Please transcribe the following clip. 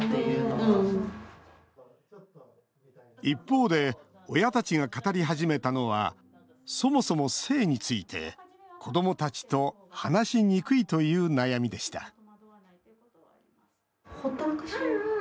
一方で親たちが語り始めたのはそもそも性について子どもたちと話しにくいという悩みでした